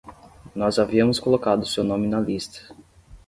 Nós havíamos colocado seu nome na lista.